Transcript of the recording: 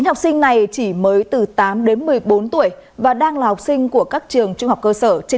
chín học sinh này chỉ mới từ tám đến một mươi bốn tuổi và đang là học sinh của các trường trung học cơ sở trên